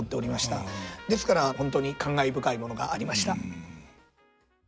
ですから本当に感慨深いものがありました。